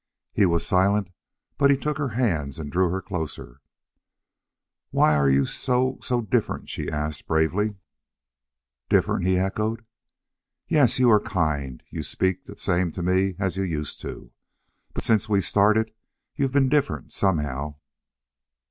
He was silent, but he took her hands and drew her closer. "Why are you so so different?" she asked, bravely. "Different?" he echoed. "Yes. You are kind you speak the same to me as you used to. But since we started you've been different, somehow."